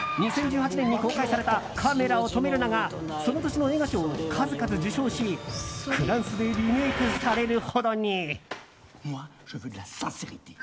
２０１８年に公開された「カメラを止めるな！」がその年の映画賞を数々受賞しフランスでリメイクされるほどに。